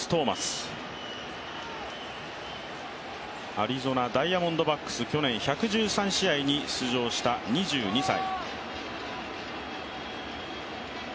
アリゾナ・ダイヤモンドバックス去年１１３試合に出場した２２歳。